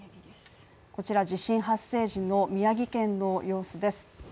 こちら地震発生時の宮城県の様子です。